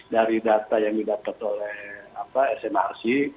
dari data yang didapat oleh smrc